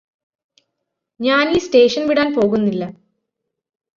ഞാനീ സ്റ്റേഷന് വിടാന് പോകുന്നില്ല